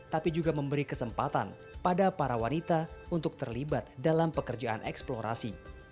tapi juga memberi kesempatan pada para wanita untuk terlibat dalam pekerjaan eksplorasi